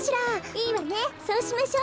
いいわねそうしましょ。